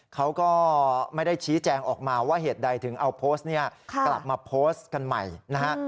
เขาก็ไม่ได้ชี้แจงออกมาว่าเหตุใดถึงเอาโพสต์นี้กลับมาโพสต์กันใหม่นะฮะ